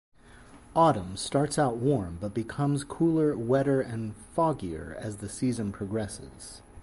Autumn starts out warm but becomes cooler, wetter, and foggier as the season progresses.